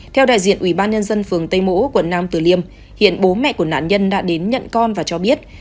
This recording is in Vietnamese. theo đại diện ủy ban nhân dân phường tây mỗ quận nam tử liêm hiện bố mẹ của nạn nhân đã đến nhận con và cho biết